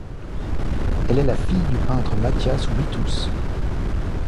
Elle est la fille du peintre Matthias Withoos.